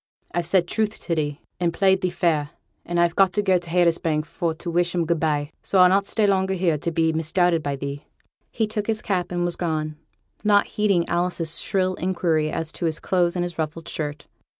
I've said truth to thee, and played thee fair, and I've got to go to Haytersbank for to wish 'em good by, so I'll not stay longer here to be misdoubted by thee.' He took his cap and was gone, not heeding Alice's shrill inquiry as to his clothes and his ruffled shirt.